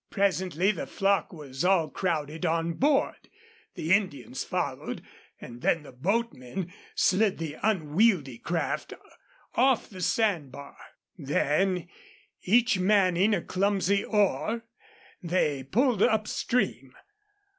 Presently the flock was all crowded on board, the Indians followed, and then the boatmen slid the unwieldy craft off the sand bar. Then, each manning a clumsy oar, they pulled up stream.